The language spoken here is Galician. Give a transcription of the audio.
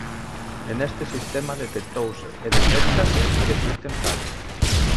E neste sistema detectouse e detéctase que existen fallos.